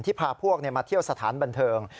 พาพวกมาเที่ยวสถานบันเทิง